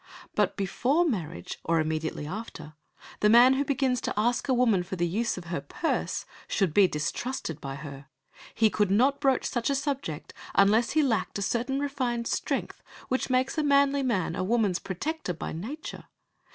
But before marriage, or immediately after, the man who begins to ask a woman for the use of her purse, should be distrusted by her. He could not broach such a subject unless he lacked a certain refined strength which makes a manly man a woman's protector by nature.